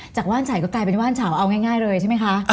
ว่านชัยก็กลายเป็นว่านเฉาเอาง่ายเลยใช่ไหมคะ